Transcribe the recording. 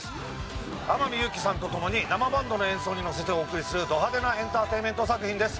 天海祐希さんと共に生バンドの演奏にのせてお送りするド派手なエンターテインメント作品です。